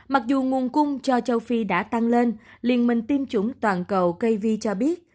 mặc dù nguồn cung cho châu phi đã tăng lên liên minh tiêm chủng toàn cầu kvi cho biết